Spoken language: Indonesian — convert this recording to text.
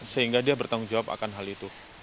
sehingga dia bertanggung jawab akan hal itu